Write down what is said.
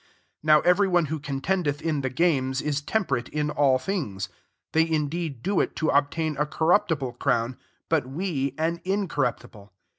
25 Now every one who contendeth in the gamea^ is temperate in all things. They indeed do it to obtain a corruptible crown, but we an incorruptible.